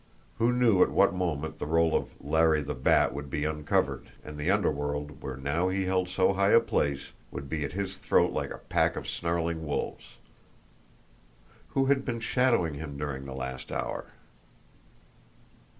Who knew at what moment the role of Larry the Bat would be uncovered, and the underworld, where now he held so high a place, would be at his throat like a pack of snarling wolves! Who had been shadowing him during the last hour?